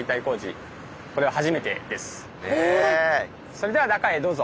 それでは中へどうぞ。